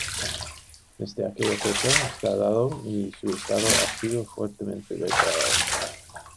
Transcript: Desde aquella fecha, está dado y su estado ha sido fuertemente degradado.